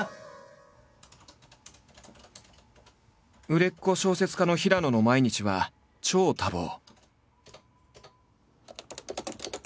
売れっ子小説家の平野の毎日は超多忙。